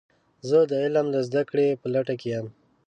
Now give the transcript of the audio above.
زه د علم د زده کړې په لټه کې یم.